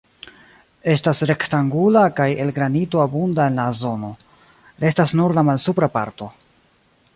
Estas rektangula kaj el granito abunda en la zono: restas nur la malsupra parto.